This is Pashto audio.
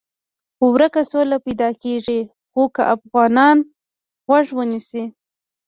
ورکه سوله پیدا کېږي خو که افغانان غوږ ونیسي.